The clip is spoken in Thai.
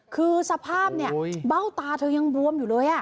คือสภาพเนี่ยเบ้าตาเธอยังบวมอยู่เลย